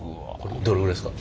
どれぐらいですか？